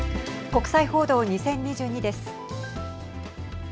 国際報道２０２２です。